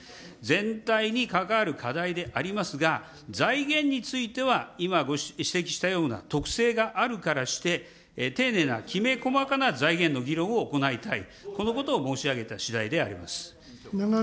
全体に関わる課題でありますが、財源については、今ご指摘したような特性があるからして、丁寧なきめ細かな財源の議論を行いたい、このことを申し上げたしだいであります。